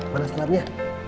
nah mana senapnya